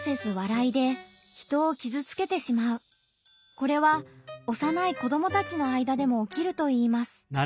これは幼い子どもたちの間でもおきるといいます。